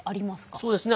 そうですね。